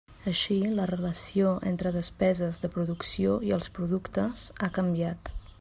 Així la relació entre despeses de producció i els productes ha canviat.